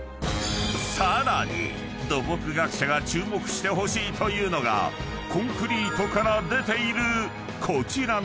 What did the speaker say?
［さらに土木学者が注目してほしいというのがコンクリートから出ているこちらの］